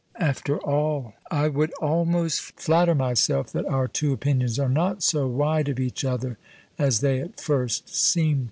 After all, I would almost flatter myself that our two opinions are not so wide of each other as they at first seem to be.